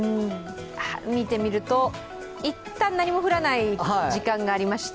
見てみると、一旦何も降らない時間がありまして。